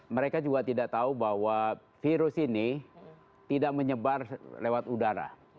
mereka juga tidak tahu bahwa virus ini tidak menyebar lewat udara